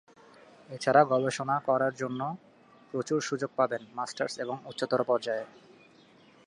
এছাড়া গবেষণা করার প্রচুর সুযোগ পাবেন মাস্টার্স এবং উচ্চতর পর্যায়ে।